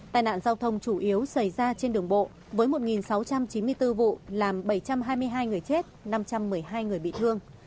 tai nạn giao thông chủ yếu xảy ra trên đường bộ với một sáu trăm chín mươi bốn vụ làm bảy trăm hai mươi hai người chết năm trăm một mươi hai người bị thương